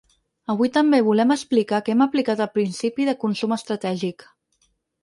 Avui també volem explicar que hem aplicat el principi de consum estratègic.